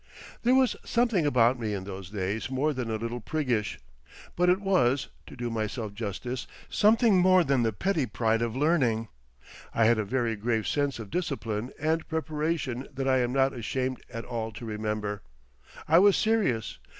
There was something about me in those days more than a little priggish. But it was, to do myself justice, something more than the petty pride of learning. I had a very grave sense of discipline and preparation that I am not ashamed at all to remember. I was serious.